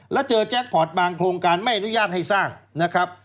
แล้วเจอแจ็คพอร์ตบางโครงการไม่อนุญาตให้สร้างนะครับ